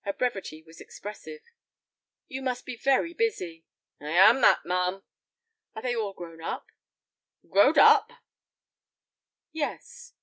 Her brevity was expressive. "You must be very busy." "I am that, ma'am." "Are they all grown up?" "Grow'd up?" "Yes."